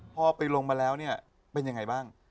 พอไปลงมาแล้วเนี่ยเป็นยังไงบ้าง